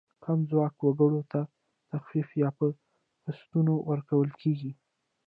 کم ځواکه وګړو ته تخفیف یا په قسطونو ورکول کیږي.